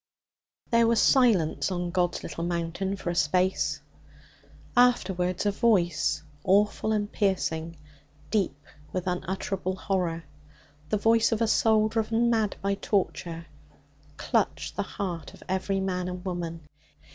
There was silence on God's Little Mountain for a space. Afterwards a voice, awful and piercing, deep with unutterable horror the voice of a soul driven mad by torture clutched the heart of every man and woman.